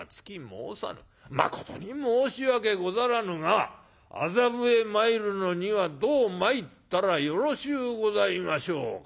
まことに申し訳ござらぬが麻布へ参るのにはどう参ったらよろしゅうございましょうか。